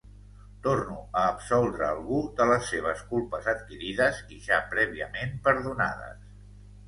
Torno a absoldre algú de les seves culpes adquirides i ja prèviament perdonades.